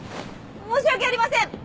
申し訳ありません！